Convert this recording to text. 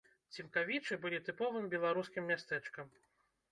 Цімкавічы былі тыповым беларускім мястэчкам.